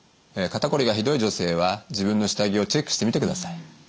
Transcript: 肩こりがひどい女性は自分の下着をチェックしてみてください。